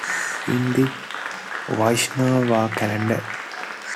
In the Vaishnava calendar.